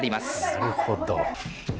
なるほど。